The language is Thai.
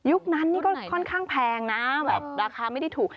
นั้นนี่ก็ค่อนข้างแพงนะแบบราคาไม่ได้ถูก